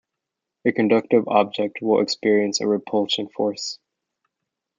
A conductive object will experience a repulsion force.